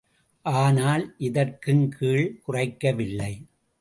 ஆனால் இதற்குங் கீழ்க் குறைக்கவில்லை.